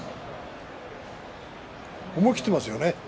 思い切ってますよね。